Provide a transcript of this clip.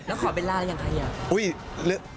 แล้วขอเบลล์ล่าอย่างใครอ่ะ